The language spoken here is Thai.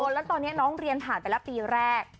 แล้วตอนนี้น้องเรียนผ่านไปแล้วปีแรก